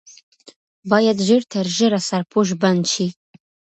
باید ژر تر ژره سرپوش بند شي.